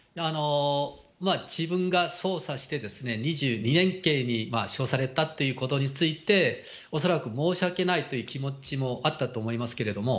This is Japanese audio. まあ自分が捜査して、２２年刑に処されたということについて、恐らく申し訳ないという気持ちもあったと思いますけれども。